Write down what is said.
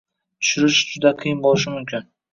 tushirish juda qiyin bo'lishi mumkin